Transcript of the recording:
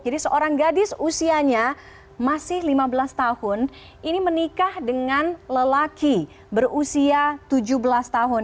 seorang gadis usianya masih lima belas tahun ini menikah dengan lelaki berusia tujuh belas tahun